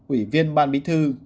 ủy viên ban bí thư